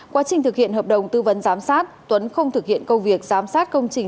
quá trình thực hiện hợp đồng tư vấn giám sát tuấn không thực hiện công việc giám sát công trình